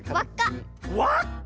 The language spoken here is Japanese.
わっか⁉